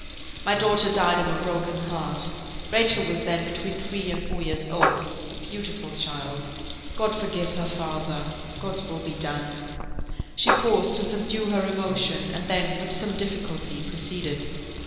My daughter died of a broken heart. Rachel was then between three and four years old; a beautiful child. God forgive her father! God's will be done!" She paused to subdue her emotion, and then, with some difficulty, proceeded.